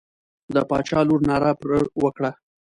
د باچا لور ناره پر وکړه.